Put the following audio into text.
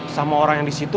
sama orang yang disitu